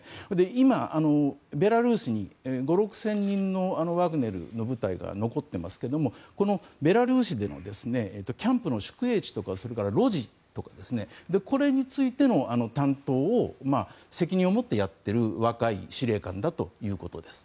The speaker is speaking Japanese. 今、ベラルーシに５０００６０００人のワグネルの部隊が残ってますが、ベラルーシでのキャンプの宿営地とかそれから、ロジとかこれについての担当を責任を持ってやっている若い司令官だということです。